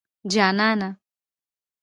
جانانه